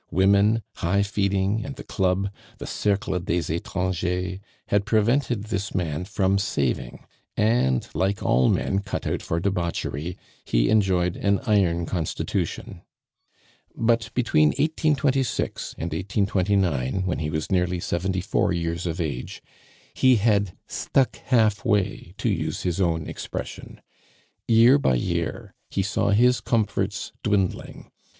Women, high feeding, and the club, the Cercle des Etrangers, had prevented this man from saving, and, like all men cut out for debauchery, he enjoyed an iron constitution. But between 1826 and 1829, when he was nearly seventy four years of age, he had stuck half way, to use his own expression. Year by year he saw his comforts dwindling.